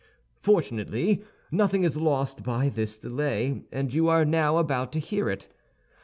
Fortunately, nothing is lost by this delay, and you are now about to hear it.